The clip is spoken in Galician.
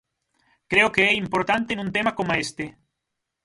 Creo que é importante nun tema coma este.